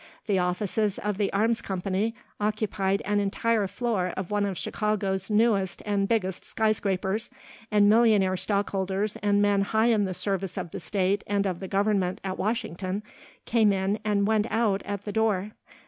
The offices of the Arms Company occupied an entire floor of one of Chicago's newest and biggest skyscrapers and millionaire stockholders and men high in the service of the state and of the government at Washington came in and went out at the door.